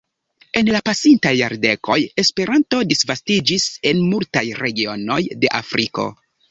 En la pasintaj jardekoj Esperanto disvastiĝis en multaj regionoj de Afriko.